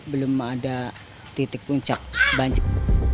belum ada titik puncak banjir